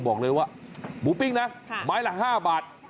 บอกเลยว่าหมูปิ้งนะไม้ละ๕บาท